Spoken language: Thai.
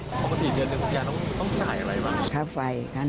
อันนี้นึงจะต้องจ่ายอะไรบ้าง